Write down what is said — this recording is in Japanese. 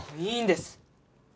いいんです。